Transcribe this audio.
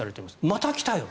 また来たよ